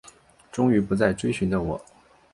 终于不再追寻的我